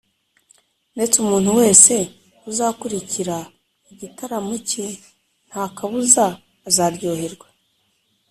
ndetse umuntu wese uzakurikira igitaramo cye nta kabuza azaryoherwa.